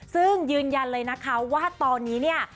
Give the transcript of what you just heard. ซึ่งยืนยันเลยนะคะว่าตอนนี้เนี่ย